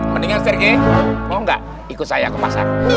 mendingan serge mau gak ikut saya ke pasar